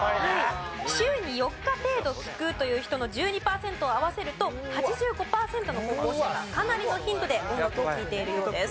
週に４日程度聴くという人の１２パーセントを合わせると８５パーセントの高校生がかなりの頻度で音楽を聴いているようです。